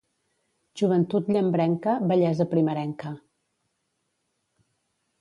Joventut llambrenca, vellesa primerenca.